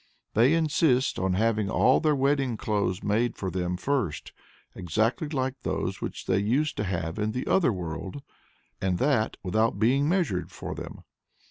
For they insist on having all their wedding clothes made for them first, exactly like those which they used to have in the other world, and that without being measured for them.